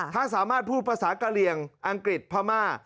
ถ้าสามารถพูดภาษากะเหลี่ยงอังกฤษพม่า